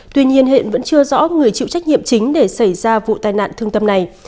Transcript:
tuy nhiên hiện vẫn chưa rõ người chịu trách nhiệm chính để xảy ra vụ tai nạn thương tâm này